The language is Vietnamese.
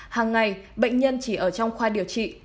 hàng ngày bệnh nhân chỉ ở trong khoa điều trị